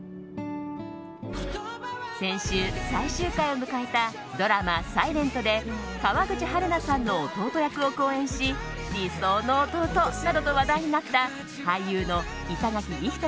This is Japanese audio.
先週最終回を迎えたドラマ「ｓｉｌｅｎｔ」で川口春奈さんの弟役を好演し理想の弟！などと話題になった俳優の板垣李光人